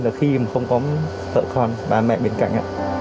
là khi mà không có vợ con ba mẹ bên cạnh